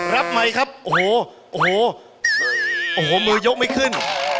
รับไหมครับโอ้โหมือยกไม่ขึ้น